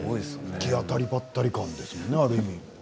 行き当たりばったり感ですよね、ある意味。